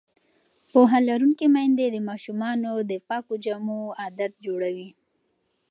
پوهه لرونکې میندې د ماشومانو د پاکو جامو عادت جوړوي.